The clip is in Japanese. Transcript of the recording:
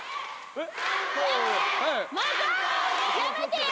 えっ？